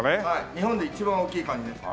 日本で一番大きいカニです。